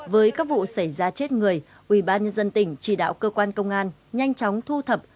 với các vụ xảy ra chết người ủy ban nhân dân tỉnh chỉ đạo cơ quan công an nhanh chóng thu thập